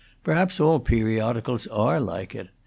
Perhaps all periodicals are like it.